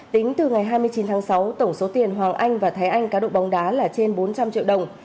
tính từ ngày hai mươi chín tháng sáu tổng số tiền hoàng anh và thái anh cá độ bóng đá là trên bốn trăm linh triệu đồng